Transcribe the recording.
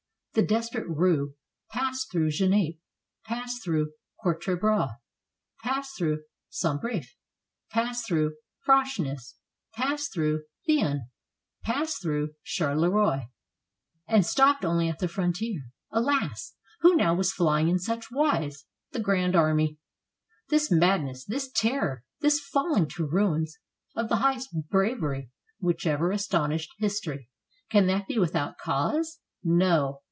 The desperate rout passed through Genappe, passed through Quatre Bras, passed through Sombreffe, passed through Frasness, passed through Thuin, passed through Charleroi, and stopped only at the frontier. Alas ! who now was flying in such wise? The grand army. This madness, this terror, this falHng to ruins of the highest bravery which ever astonished history, can that be without cause? No.